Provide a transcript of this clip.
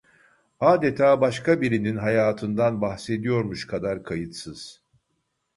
Adeta başka birinin hayatından bahsediyormuş kadar kayıtsız...